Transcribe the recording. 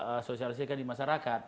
asosiasikan di masyarakat